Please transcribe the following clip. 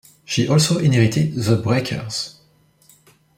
She also inherited The Breakers.